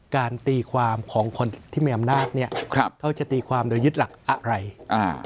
ตีความของคนที่มีอำนาจเนี้ยครับเขาจะตีความโดยยึดหลักอะไรอ่า